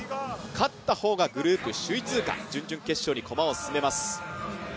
勝った方がグループ首位通過、準々決勝に駒を進めます。